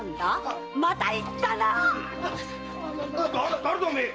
だ誰だおめえ？